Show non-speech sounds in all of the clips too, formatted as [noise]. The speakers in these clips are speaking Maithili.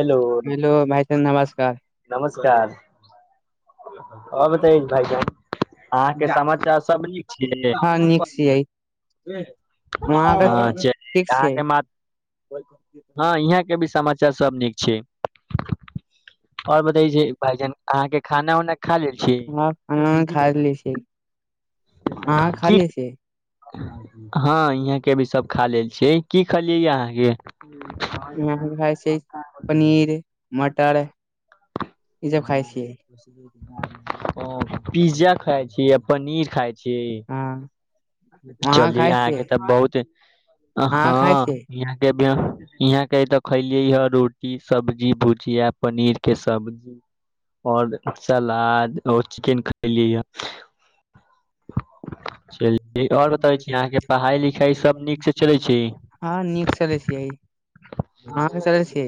हेलो भाईजी नमस्कार नमस्कार आओर बत्यों भाई साहब अहाँके समाचार सब निक छै हँ नीक छियै वहाँके अ च ठीक छियै अहाँके माँ हँ यहाँ के भी समाचार सब नीक छै आओर बते छै भाईजान अहाँके खाना उना खा ले छी हँ खाइले छि हँ यहाँ के भी सब खा लेल छी कि खलियै अहाँके हम खाइ छियै पनीर मटर ईसभ खाई छियै ओ पिज्जा खाइ छीयै आ पनीर खाई छीयै हँ अहाँ चलिये खाइ छियै अहाँके तऽ बहुत अहाँ खाइ हँ छियै यहाँके इहाँ के तऽ खलियै हे रोटी सब्जी भुजिया पनीर के सब्जी और सलाद और चिकेन खलियए य से [unintelligible] आओर बताबै छी अहाँके पढ़ाई लिखाई सब नीक से चलै छै हँ नीक चलै छियै अहाँके चलै छियै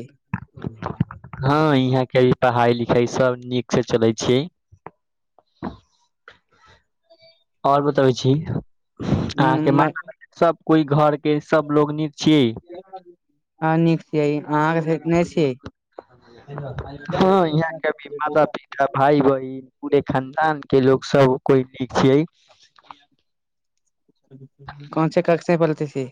हँ इहाँ के पढ़ाई लिखाई सब नीक से चलै छीयै आओर बतबै छी अहाँके माँ सब कोई घर के सब लोग नीक छियै हँ नीक छियै अहाँके नहि छियै हँ यहाँके भी माता पिता भाय बहिन पूरे खानदान के लोग सब कोइ न छैयै ससीिया [unintelligible] कोन सेे कक्षे पढ़त अछि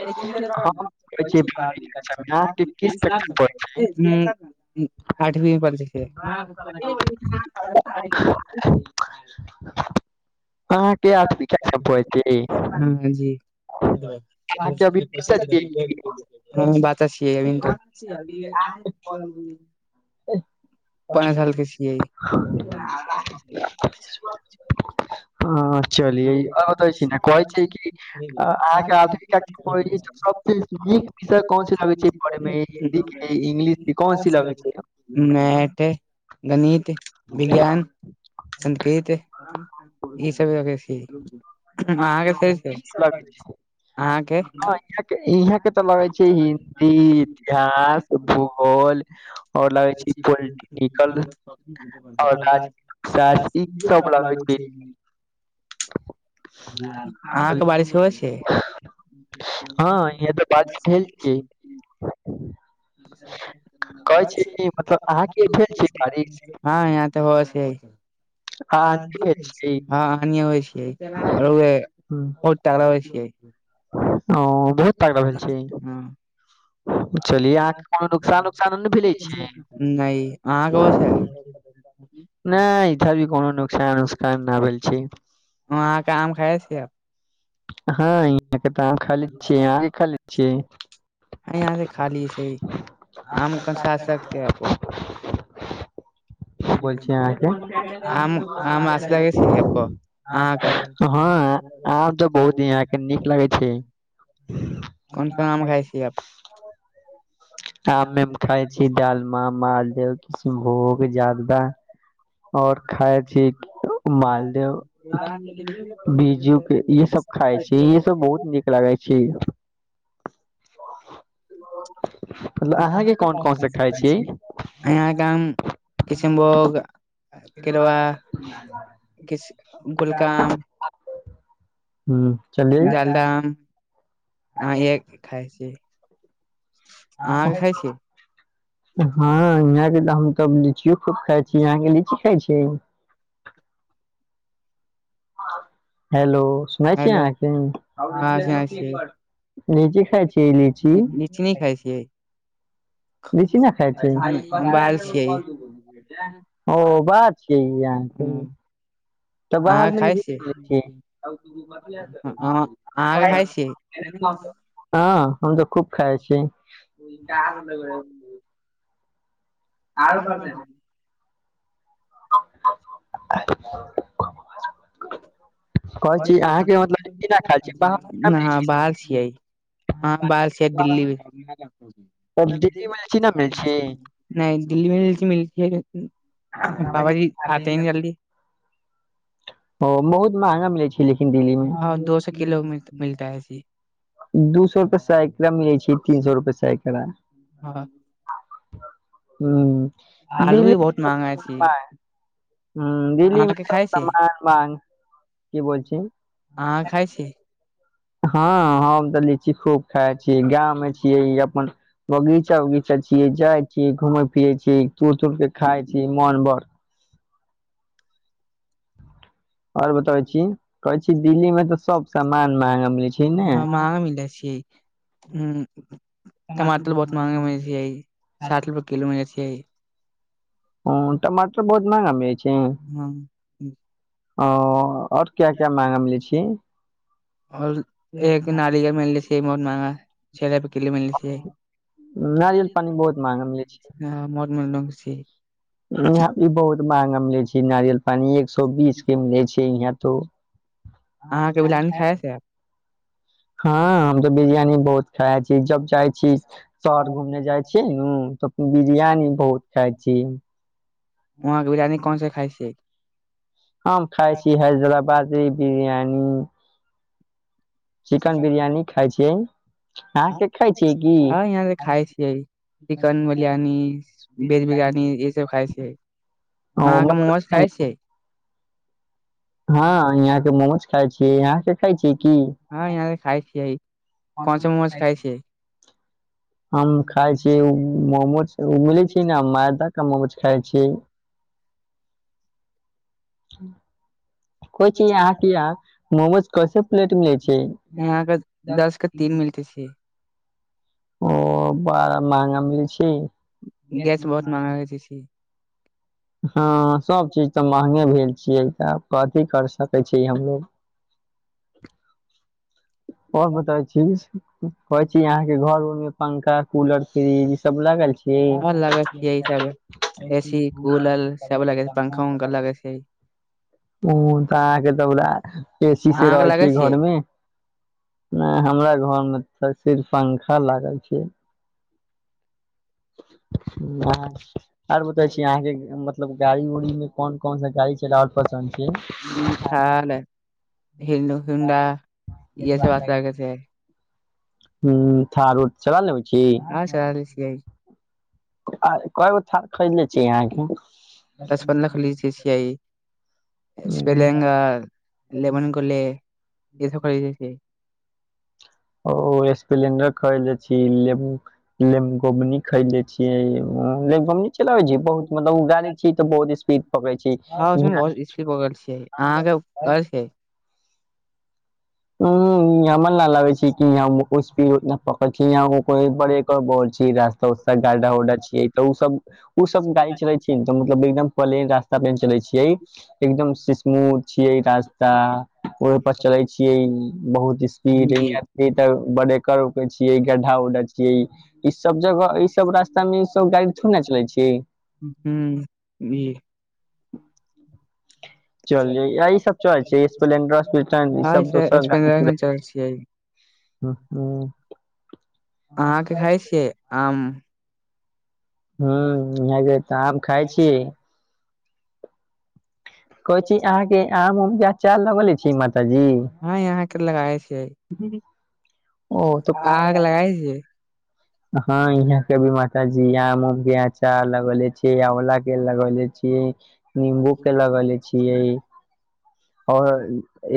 हम कहै छी बारहवीं कक्षा मे, अहाँके किस कक्षा मे पढ़ै छियै आठवी पर्ष [unintelligible] अहाँके आथमी्प [unintelligible] ह जी अहाँके अभी बच्चा हैबाद छी। [unintelligible] ह बच्चा छियै अबी तऽ त पाँच साल के छियै [unintelligible] ह [unintelligible] ह चलियैै छी ने कहै छै कि अहाँके आधन [unintelligible] सब नीक विषय कोनसी लगै छै पढ़ेमे हिन्दी के इंग्लिश के कोनसी लगै छै मैठ गणित विज्ञान संस्कृत ई सब छै अहाँके से छै अच्छा लगै [unintelligible] छै अहाँके हँ इह के इहाँ के तऽ लगै छै हिन्दी इतिहास भुगोल आओर लगै छै पोलिटिकल पो्ट्री आओर राजशास्त्र ई इहे सब लगै लग छै [unintelligible] अहाँके बारिश होय छै हँ इहे तऽ बारिश भेल छीयै घर छै मतलब अहाँके भेल छै बारिश हँ यहाँ तऽ हो से हँ ठीके छीयै हँ अ होइ छियैर हुँ, बहुत टाका होइ छियै [unintelligible] ओ बहुत तागड़ा भेल छीयै हँ कोनो नुकसान उकसान नहि भेले छै नहि अहाँ कोस [unintelligible] [inaudible] नहि इधर भी कोनो नोकसान उसकान नहि भेल छीयै व अहाँके आम खाई छियै हँ यहाँ के तऽ खाली छियै अहाँ खाली छियै ह यहाँ से खाली छै आम कनस सकतेैपो [unintelligible] [inaudible] की बोल छै आम आम अच्छा लगै छै आपको अहाँके अहाँके हँ आ बहुत यहाँ के नीक लागै छै कोन को आम खा छीयै आमे खाय छी डालमा मालदह किष्नभोग जारदा आओर खाई छी मालदेव बिज्जू के ई सब खाय छी ई सब बहुत नीक लागे छै छी मतलब [inaudible] अहाँ के अहाँके कोन काम कोन क से खाय सै छी यहाँ काम [unintelligible] किसनभोग केरवा कि गुलकाम हूँ चलि अह एक खाय छीय अहाँ खाय छीय हँ यहाँ के त हम त लीचियो खूब खाए छीय यहाँ के लीची खाए छीय हेलो सुने छीय हेलो अहाँ अहाँ खाय की छी लीची खाई छी लीची चीनी खाय छियै लीची नहि खाय छीयै हम बाहर छियै ओ बात छिय यहाँ के हूं अहाँ खाय छीय छी अहाँ खाय छिये [inaudible] हँ हम त खूब खाई छी आरो [unintelligible] [inaudible] कहै छी अहाँके मतलब लीची न खाय छी बाहर न मिलै हाँ छै बाहर छियै हँ बाहर छिये दिल्ली तब दिल्ली मे लीची न मिलै छै नहि दिल्ली मे जे छै मिल मिल पाबा जी आते ही नहीं जल्दी ओ बहुत महँगा मिलै छै लेकिन दिल्ली हँ दो सए किलो मिल, मे मिलता है जी दू सौ रुपए सैकड़ा मिलै छै तीन सौ रुपए सैकड़ा हँ हुँ आलू भी दिल्ली बहुत महंगा छी हूँ दिल्ली मे अहाँके सब खाइ छी समान उमान की बोले छी अहाँ खाइ छी हँ हम त लीची खूब खाय छीय गाँव मे छिये अपन बगीचा उगीचा छिये जाय छिये घूमे फिरे छिये तूड़ तूड़ के खाय छिये मोन बड़ और बताबै छी कहै छी दिल्ली मे तऽ सब सामान महंगा मिलै छै ने ह मह अ, मिलै छियै हुँ टमाटर बहुत महंगा मिले छिय साठि रुपए किलो मिल छियै ह टमाटर बहुत महँंगा मिलै छिये हँ ओ ओर क्या क्या मंहगा मिले छी और एक नारियल मिले छै बहुत महंगा छे रुपए किलो मिले छै नारियल पानि बहुत महंगा मिलै छै हँ बहुत [unintelligible] यहाँ ई बहुत महंगा मिले छै नारियल पानी एक सौ बीस के मिले छै यहाँ तो अहाँके बिरयानी खाए छिये हँ हम त बिरयानी बहुत खाइ छी जब चाहै छी शहर घूमने जाइ छीय नुँ त बिरयानी बहुत खाय छीय वहांँ के बिरयानी कोन सा खाइ छियै हम खाइ छी हैदराबादी बिरयानी चिकन बिरयानी खाए छियै अहाँके खाइ छियै की ह यहाँ तऽ खाय छिये चिकन बिरयानी वेज बिरयानी ई सब खाइ छियै ओ मतलब खाए छियै हँ यहाँ के मोमोज खाय छियै यहाँ के खाय छियै की हँ यहाँ त खाय छिये कौन सँ मोमोज खाय छिये हम खाय छीय मोमोज ओ मिलै छै ने मैदा के मोमोज खाय छीय [inaudible] को यहाँके या मोमोज कैसे प्लेट मिलै छै यहाँ के दस के तीन मिलते छै ओ बड़ा महंगा मिलै छै गैस बहुत महंगा रहे छै हँ सब चीज त महंगे भेल छियै तऽ कथी कर सकै छी हमलोग आओर बताबे छी कहइ छी यहाँके घर पंखा कूलर फ्रिज ई सब लागल छै हँ लगै छिये ई सब ए सी कूलर सब लगै छै पंखा ऊंखा लगै छै ओ तऽ अहाँके तऽ एसी से अहाँ के रहै लगे छै छियै घरमे नहि हमरा घर मे त सिर्फ पंखा लागल छै आर बतौ छी आहाँके मतलब गाड़ी उड़ी मे कौन कौन सा गाड़ी चलावल पसन्द छै हम्म, थार हिंडो होंडा इहे सब आस लगे [unintelligible] [unintelligible] छै उ थारू चला लेबै छी आ चलस छीयै आ केगो थार खरीदले छिय अहाँके पचपन्ना खाली जे स आइ [unintelligible] स्पेलंगा अहाँके लेमन गल ईस ख छै ओ स्प्लेंडर खरीदने छी लेमोब खरीले छीय चलाबे छी बहुत मतलब गाड़ी छी तऽ बहुत स्पीड कै छी हँ उसमे बहुत स्पीड पकड़ल छियै अहाँके पकड़ल [unintelligible] छियै [unintelligible] [unintelligible] बल रास्ता उास्ता गा्डा उडा छी तऽ ओ सब ओ सब गाड़ी चल छै मतलब एकदम पलेन रास्ता पे चलै छियै एकदम स्मूथ छियै रास्ता ओहि पर चले छियै बहुत जी अभी त ब्रेकर उकर छीयै गड्ढा उड्ढा छीयै ई सब जगह ई सब रास्ता में ई सब गाड़ी थोड़े ने चले छै हू इ चल ई सब चल छै स्पलेंडर दोसर गाड़ी जाय छिय ह ह आहाँके खाय छियै आम हू इह तऽ आम खाय छी कहै छी अहाँ के आम उमके चाल लगले छी माताजी हँ यहाँ के लगाय छि ओ तऽ अहाँ के लगए छि हँ यहाँ के भी मात जी आमके आचा लगौले छीयै आला के लगौले छीयै नंबू के लगले छिय आओर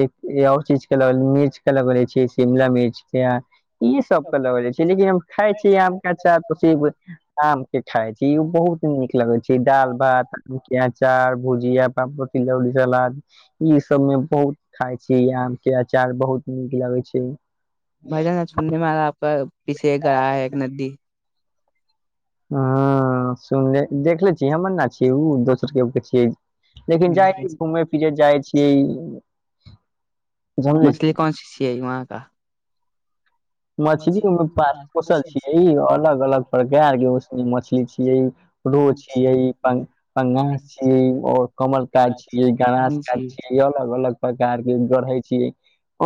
एआओर चीज के ल मिर्च क लगोले छी शिमला मिर्च के ई सब त लगल छै लेकिन हम खाय छी आम के आचार त आम के खाय छी ओ बहुत नीक लगे छै दाल भात आम के चार भुजिया पापर तिलउरी सलाद इ सब में बहुत खाय छी आम के अचार बहुत नीक लगै छै भाइजान सुनने मे आ आपक पीछे एक ग्रा है एक नदी ह सुनले देखले छीय हमर गछि हय ओ दोसर के छिय लेकिन जाइ छी घूमै फिरे जाइ छियै समझे मछली कनसी छियै वहाँ का मछली ओईमे पास पोषल छियै अलग अलग प्रकार के मछली छियै रो छियै पंगास छियै और कमल काज छियै गनास काज जी छिय अलग अलग प्रकार के गढ़े छियै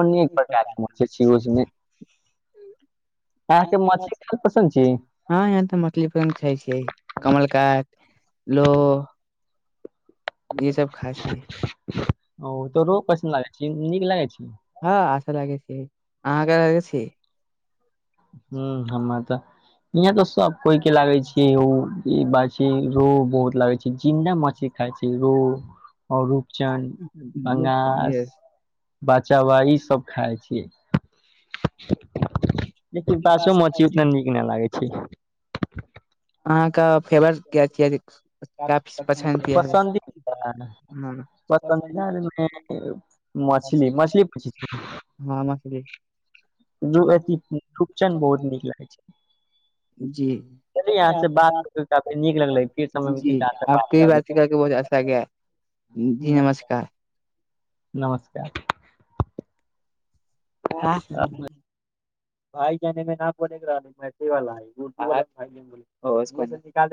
अनेक प्रकार के मचे छी उसमे आँहा के मछली खूब पसंद छी हँ यहाँ तऽ मछली फ छै छै कमल कट लो य सब खासी ओ तो रो पसन्द लागैत छ नीक लागैत छी हँ आच्छा लगै छी अहाँके लागै छी ह हमरा तऽ इहाँ तऽ सब कोई के लागै छियै ई बात रोहु बहुत लागै छै जिन्दा मछली खाई छै रो आओ रुपचन बंगास यस। बचा ई सब खाय छी लेकिन बासो मछी उतना नीक न लागे छै अहाँके फेमस पसन्द हँ पसन्दिदा मछली मछली हँ मछली जो अथी रूपचन बहुत नीक लागै छै चलि अहाँ से बात काफी नीक लगलै फेर समय मिलत तऽ अहाँ से बात करबै [unintelligible] जी नमस्कार नमस्कार [unintelligible] [unintelligible]